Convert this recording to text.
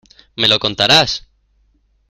¿Me lo contarás?